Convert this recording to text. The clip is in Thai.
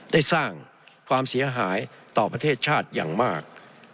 ได้สร้างความเสียหายต่อประเทศชาติอย่างมาก